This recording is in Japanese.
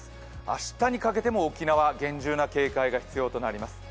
明日にかけても沖縄、厳重な警戒が必要となります。